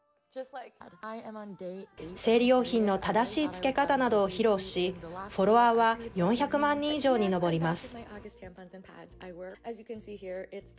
生理用品の正しいつけ方などを披露しフォロワーは４００万人以上に上ります。